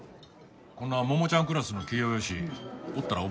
こんな桃ちゃんクラスの器量よしおったら覚えとる。